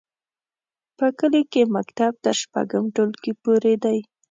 په کلي کې مکتب تر شپږم ټولګي پورې دی.